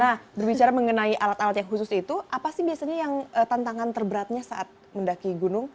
nah berbicara mengenai alat alat yang khusus itu apa sih biasanya yang tantangan terberatnya saat mendaki gunung